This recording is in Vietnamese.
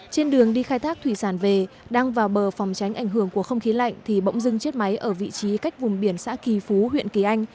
trên đường đi khai thác thủy sản về đang vào bờ phòng tránh ảnh hưởng của không khí lạnh thì bỗng dưng chết máy ở vị trí cách vùng biển xã kỳ phú huyện kỳ anh